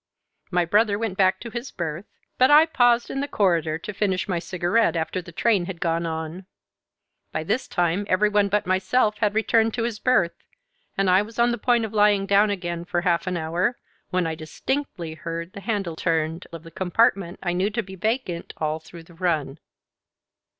My brother went back to his berth, but I paused in the corridor to finish my cigarette after the train had gone on. By this time every one but myself had returned to his berth, and I was on the point of lying down again for half an hour, when I distinctly heard the handle turned of the compartment I knew to be vacant all through the run."